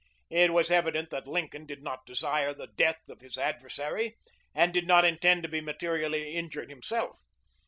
It was evident that Lincoln did not desire the death of his adversary, and did not intend to be materially injured himself.